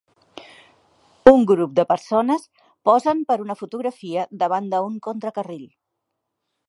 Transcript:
Un grup de persones posen per a una fotografia davant d'un contracarril.